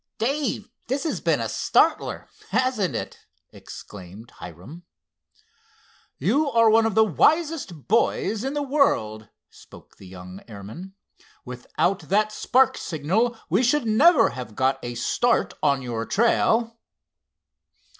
"Dave, this has been a startler; hasn't it?" exclaimed Hiram. "You are one of the wisest boys in the world," spoke the young airman. "Without that spark signal we should never have got a start on your trail."